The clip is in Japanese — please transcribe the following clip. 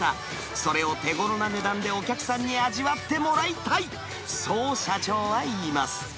それを手ごろな値段でお客さんに味わってもらいたい、そう社長は言います。